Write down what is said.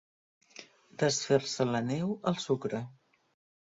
Desfer-se la neu, el sucre.